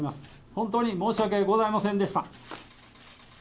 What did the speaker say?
本当に申し訳ございませんでした。